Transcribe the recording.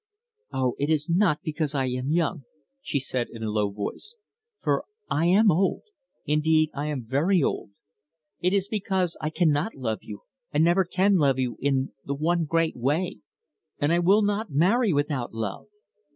"Oh, it is not because I am young," she said, in a low voice, "for I am old indeed, I am very old. It is because I cannot love you, and never can love you in the one great way; and I will not marry without love.